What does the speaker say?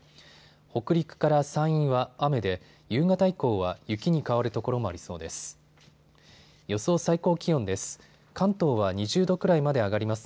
北陸から山陰は雨で夕方以降は雪に変わる所もありそうです。